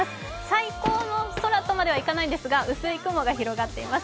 最高の空とまではいかないんですが、薄い雲が広がっています。